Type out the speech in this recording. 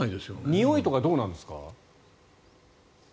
においとかどうなんですか？